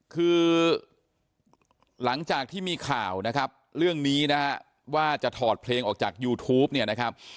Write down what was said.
คือหลังจากที่มีข่าวนะครับเรื่องนี้นะฮะว่าจะถอดเพลงออกจากยูทูปเนี่ยนะครับ